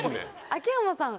秋山さん